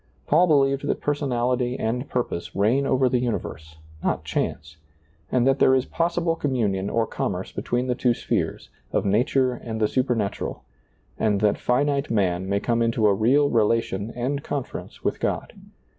Paul believed that personality and purpose reign over the universe, not chance, and that there is possi ble communion or commerce between the two spheres, of nature and the supernatural, and that finite man may come into a real relation and con ference with God.